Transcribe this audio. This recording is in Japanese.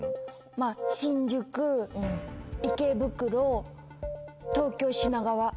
まぁ新宿池袋東京品川。